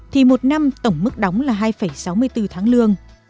thì một năm tổng mức đóng là hai sáu mươi bốn tháng lương